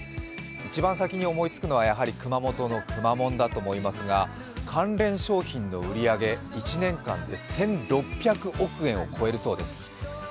一番先に思いつくのはやはり熊本のくまモンだと思いますが関連商品の売り上げ、１年間で１６００億円を超えるそうです。